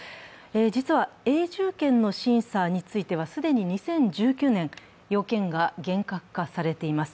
実は永住権の審査については既に２０１９年、要件が厳格化されています。